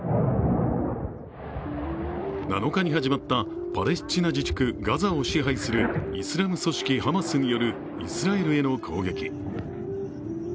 ７日に始まったパレスチナ自治区ガザを支配するイスラム組織ハマスによるイスラエルへの攻撃。